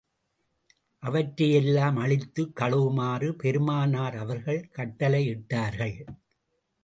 அவற்றையெல்லாம் அழித்துக் கழுவுமாறு பெருமானார் அவர்கள் கட்டளையிட்டார்கள்.